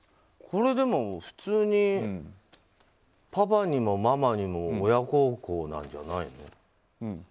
これ、でも普通にパパにもママにも親孝行なんじゃないの？